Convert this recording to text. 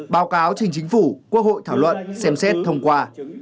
báo cáo trình chính phủ quốc hội thảo luận xem xét thông qua